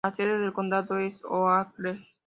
La sede del condado es Oakley.